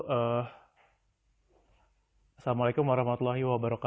assalamualaikum wr wb